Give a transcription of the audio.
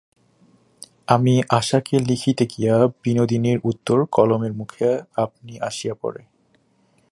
কিন্তু আশাকে লিখিতে গিয়া বিনোদিনীর উত্তর কলমের মুখে আপনি আসিয়া পড়ে।